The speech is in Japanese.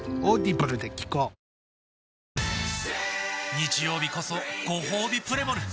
日曜日こそごほうびプレモル！